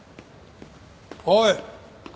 おい！